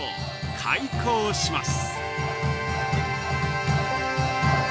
開校します。